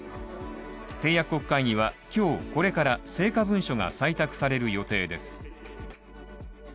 締約国会議は今日これから成果文書が採択される予定です。